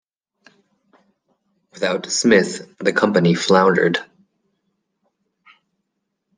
Without Smith, the company floundered.